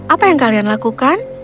apa yang kalian lakukan